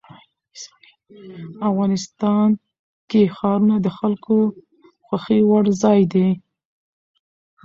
افغانستان کې ښارونه د خلکو خوښې وړ ځای دی.